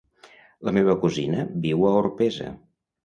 La meva cosina viu a Orpesa.